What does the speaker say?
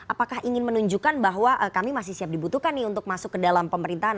apakah ingin menunjukkan bahwa kami masih siap dibutuhkan nih untuk masuk ke dalam pemerintahan